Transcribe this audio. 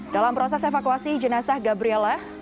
dalam proses evakuasi jenazah gabriela